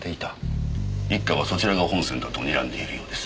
一課はそちらが本線だとにらんでいるようです。